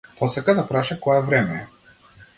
Посака да праша кое време е.